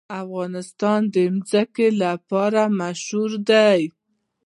افغانستان د ځمکه لپاره مشهور دی.